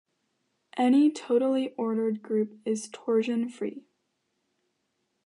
Any totally ordered group is torsion-free.